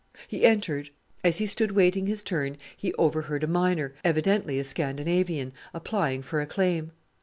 He entered. As he stood waiting his turn he overheard a miner, evidently a Scandinavian, applying for a claim.